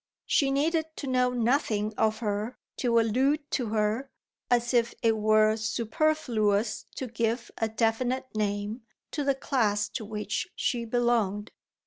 She needed to know nothing of her to allude to her as if it were superfluous to give a definite name to the class to which she belonged.